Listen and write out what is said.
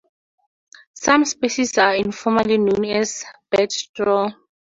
Some species are informally known as bedstraw.